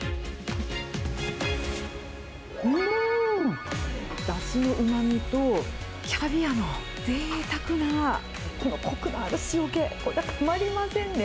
うーん！だしのうまみとキャビアのぜいたくな、このこくのある塩気、これがたまりませんね。